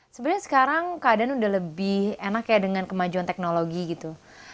sebenarnya sekarang keadaan udah lebih enak ya dengan kemajuan teknologi gitu